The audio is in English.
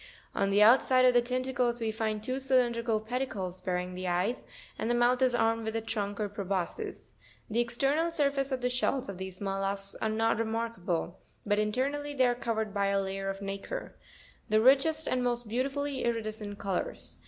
On the outside of the tentacles we find two cylindrical pedicles, bearing the eyes; and the mouth is armed with a trunk or proboscis. The external surface of the shells of these mollusks are not remarkable ; but internally they are covered by a layer of nacre, of the richest and most beautifully iridescent colours.